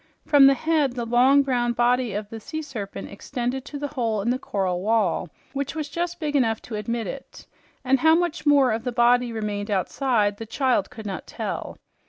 From the head, the long, brown body of the sea serpent extended to the hole in the coral wall, which was just big enough to admit it; and how much more of the body remained outside the child could not tell.